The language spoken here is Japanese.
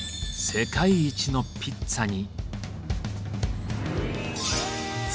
世界一のピッツァに。